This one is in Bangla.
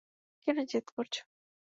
কেন জেদ করছো?